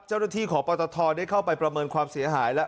เจ้าหน้าที่ของปตทได้เข้าไปประเมินความเสียหายแล้ว